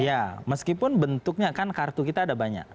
ya meskipun bentuknya kan kartu kita ada banyak